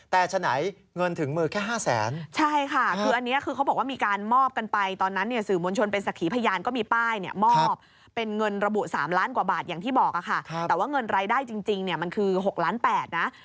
แต่ทำไมเงินถึงมือแค่๕แสน